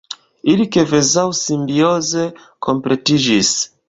Ili kvazaŭ simbioze kompletiĝis.